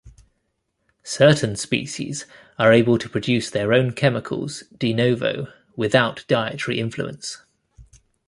Certain species are able to produce their own chemicals "de novo" without dietary influence.